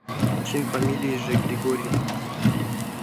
чын фамилийже Григорьев